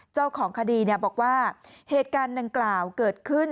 เจ้าของคดีบอกว่าเหตุการณ์ดังกล่าวเกิดขึ้น